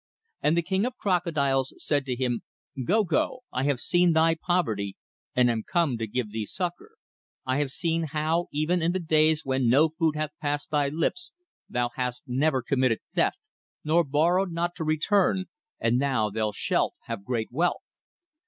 And the King of Crocodiles said to him: 'Gogo, I have seen thy poverty and am come to give thee succour. I have seen how, even in the days when no food hath passed thy lips, thou hast never committed theft, nor borrowed not to return, and now thou shalt have great wealth.